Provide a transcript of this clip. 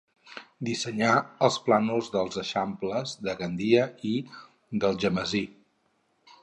Dissenyà els plànols dels eixamples de Gandia i d'Algemesí.